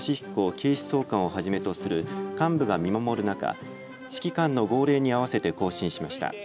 警視総監をはじめとする幹部が見守る中、指揮官の号令に合わせて行進しました。